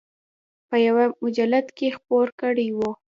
په یوه مجلد کې خپور کړی و.